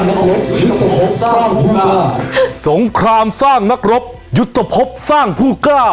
สงครามสร้างนักรบยุตภพสร้างผู้กล้าสงครามสร้างนักรบยุตภพสร้างผู้กล้า